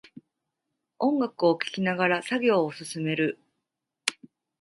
音楽を聴きながら作業を進める